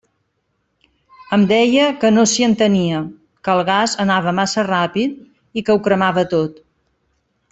Em deia que no s'hi entenia, que el gas anava massa ràpid i que ho cremava tot.